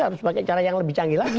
harus pakai cara yang lebih canggih lagi